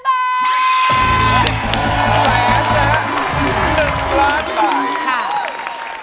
๑ล้านบาท